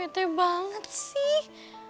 bete banget sih